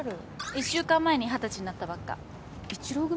１週間前に二十歳になったばっか１浪組？